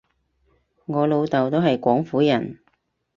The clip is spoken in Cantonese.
我老豆都係廣府人